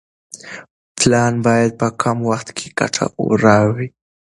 پلان باید په کم وخت کې ګټه راوړي.